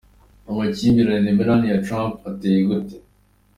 Amakimbirane na Melania Trump ateye gute?.